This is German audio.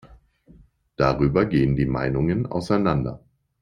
Darüber gehen die Meinungen auseinander.